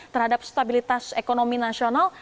terhadap stabilitas ekonomi nasional